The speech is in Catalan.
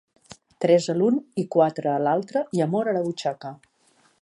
Tres a l'un i quatre a l'altre i amor a la butxaca.